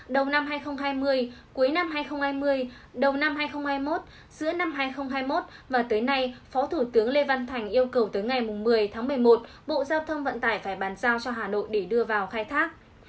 đầu năm hai nghìn hai mươi cuối năm hai nghìn hai mươi đầu năm hai nghìn hai mươi một giữa năm hai nghìn hai mươi một và tới nay phó thủ tướng lê văn thành yêu cầu tới ngày một mươi tháng một mươi một bộ giao thông vận tải phải bàn giao cho hà nội để đưa vào khai thác